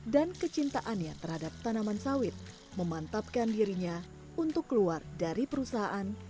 dan kecintaannya terhadap tanaman sawit memantapkan dirinya untuk keluar dari perusahaan